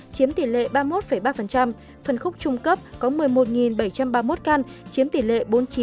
chiếm tỷ lệ ba mươi một ba phân khúc trung cấp có một mươi một bảy trăm ba mươi một căn chiếm tỷ lệ bốn mươi chín